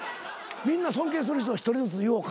みんな尊敬する人１人ずつ言おうか。